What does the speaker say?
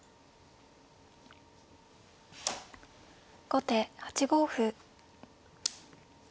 後手８五歩。